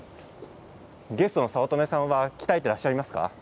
ゲストの早乙女さんは鍛えていらっしゃいますか？